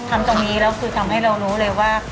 ทำตรงนี้ดำให้เรารู้เลยว่า